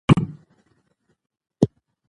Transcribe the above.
واک باید د اصولو خلاف ونه کارول شي.